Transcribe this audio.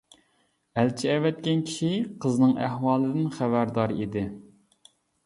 ئەلچى ئەۋەتكەن كىشى قىزنىڭ ئەھۋالىدىن خەۋەردار ئىدى.